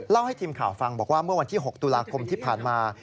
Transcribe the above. ให้ทีมข่าวฟังบอกว่าเมื่อวันที่๖ตุลาคมที่ผ่านมา